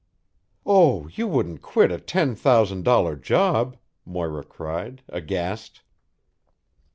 "Oh, you wouldn't quit a ten thousand dollar job," Moira cried, aghast.